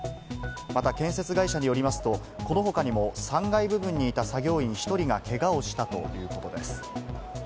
また建設会社によりますと、この他にも３階部分にいた作業員１人がけがをしたということです。